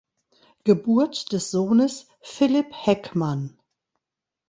Geburt des Sohnes Philipp Heckmann.